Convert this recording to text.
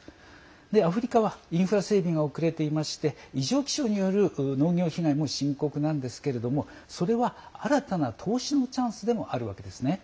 アフリカはインフラ整備が遅れていまして異常気象による農業被害も深刻なんですけれどもそれは、新たな投資のチャンスでもあるわけですね。